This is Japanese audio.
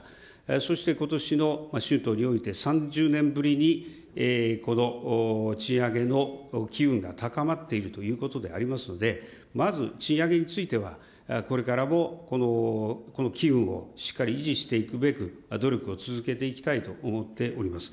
そしてことしの春闘において、３０年ぶりにこの賃上げの機運が高まっているということでありますので、まず賃上げについては、これからもこの機運をしっかり維持していくべく、努力を続けていきたいと思っております。